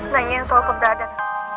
nanya soal keberadaan